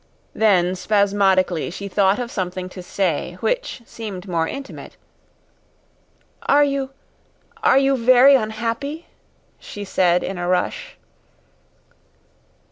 Then spasmodically she thought of something to say which seemed more intimate. "Are you are you very unhappy?" she said in a rush.